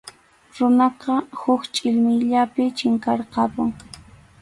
Runaqa huk chʼillmiyllapi chinkarqapun.